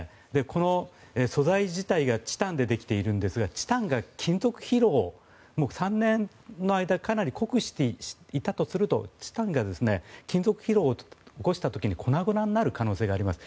この素材自体がチタンでできているんですがチタンが金属疲労を３年の間かなり酷使していたとするとチタンが金属疲労を起こした時に粉々になる可能性があります。